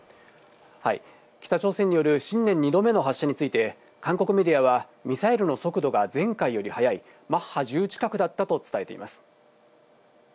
北朝鮮による新年２度目の発射について韓国メディアはミサイルの速度が前回より速い、マッハ１０近くだったと伝えています。